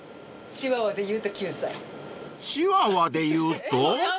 チワワでいうと９歳。